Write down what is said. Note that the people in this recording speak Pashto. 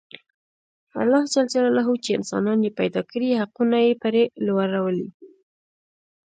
الله ج چې انسانان یې پیدا کړي حقونه یې پرې لورولي.